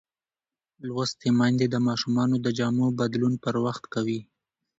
لوستې میندې د ماشومانو د جامو بدلون پر وخت کوي.